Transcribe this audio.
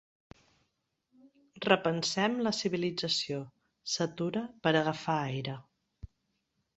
Repensem la civilització –s'atura per agafar aire–.